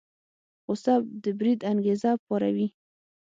غوسه د بريد انګېزه پاروي.